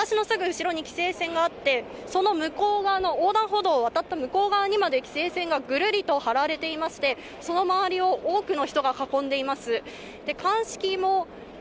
私のすぐ後ろに規制線があって、その横断歩道を渡った向こう側にまで規制線がぐるりと貼られていまして、その周りを多くの人が囲んでいます。